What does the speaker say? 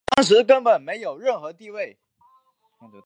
当时根本没有任何地位。